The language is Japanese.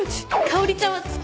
香織ちゃんは築地。